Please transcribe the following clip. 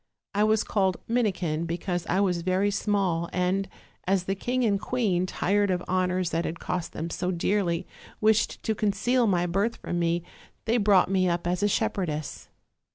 I was called Minikin because I was very small, and as the king and queen, tired of honors that had cost them so dearly, wished to conceal my birth from me, they brought me up as a shepherdess.